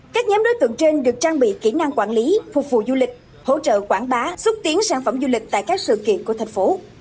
các nhóm đối tượng trên được trang bị kỹ năng quản lý phục vụ du lịch hỗ trợ quảng bá xúc tiến sản phẩm du lịch tại các sự kiện của thành phố